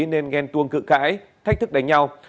nên nghen tuông cự cãi thách thức đánh nhau